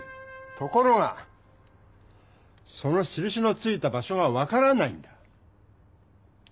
ところがそのしるしのついた場所が分からないんだ。